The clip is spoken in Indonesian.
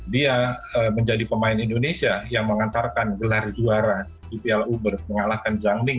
dia menjadi pemain indonesia yang mengantarkan gelar juara upl ubers mengalahkan zhang ning